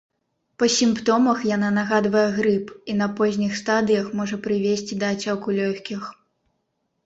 Па сімптомах яна нагадвае грып і на позніх стадыях можа прывесці да ацёку лёгкіх.